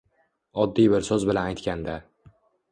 Oddiy bir soʼz bilan aytganda